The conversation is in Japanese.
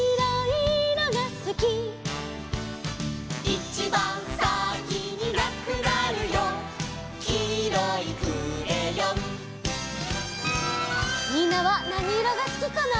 「いちばんさきになくなるよ」「きいろいクレヨン」みんなはなにいろがすきかな？